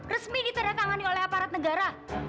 resmi ditandatangani oleh aparat negara